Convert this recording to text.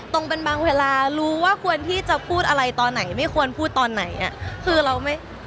ตรงเป็นบางเวลารู้ว่าควรที่จะพูดอะไรตอนไหนไม่ควรพูดตอนไหนอ่ะคือเราไม่